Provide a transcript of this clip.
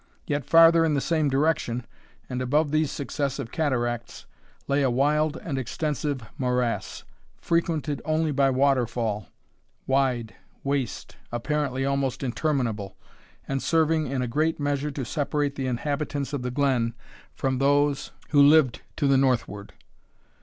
Yet farther in the same direction, and above these successive cataracts, lay a wild and extensive morass, frequented only by waterfowl, wide, waste, apparently almost interminable, and serving in a great measure to separate the inhabitants of the glen from those who lived to the northward.